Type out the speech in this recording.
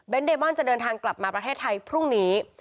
เดมอนจะเดินทางกลับมาประเทศไทยพรุ่งนี้